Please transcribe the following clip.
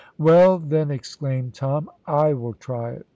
"Well, then," exclaimed Tom, "I will try it!